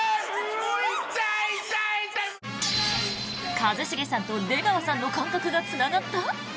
一茂さんと出川さんの感覚がつながった？